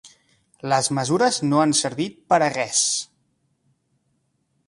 Les mesures no han servit per a res.